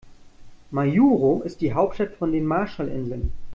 Majuro ist die Hauptstadt von den Marshallinseln.